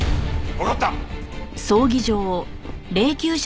わかった！